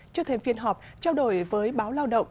trước thêm phiên họp trao đổi với báo lao động